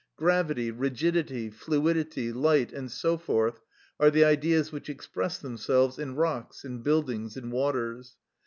Gravity, rigidity, fluidity, light, and so forth, are the Ideas which express themselves in rocks, in buildings, in waters.